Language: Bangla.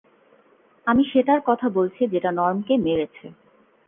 আমি সেটার কথা বলছি যেটা নর্মকে মেরেছে।